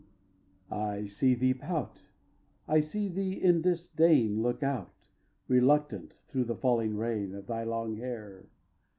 xiv. I see thee pout. I see thee in disdain Look out, reluctant, through the falling rain Of thy long hair.